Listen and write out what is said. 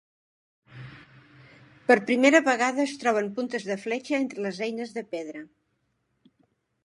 Per primera vegada es troben puntes de fletxa entre les eines de pedra.